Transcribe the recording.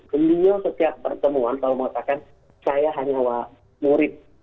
beliau setiap pertemuan selalu mengatakan saya hanya murid